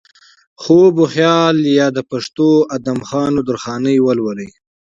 خواب وخيال يا د پښتو ادم خان و درخانۍ ولولئ